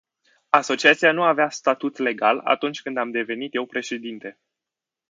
Asociația nu avea statut legal atunci când am devenit eu președinte.